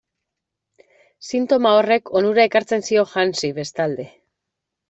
Sintoma horrek onura ekartzen zion Hansi, bestalde.